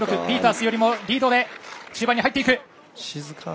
ピータースよりもリードで終盤に入っていく。